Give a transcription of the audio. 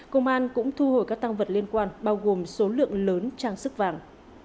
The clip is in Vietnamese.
công an cũng thu hồi các tăng vật liên quan bao gồm số lượng lớn trang sức vàng